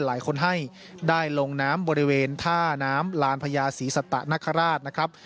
หลายคนให้ได้ลงน้ำบริเวณท่าน้ำลานพญาศรีสัตนคราชนะครับ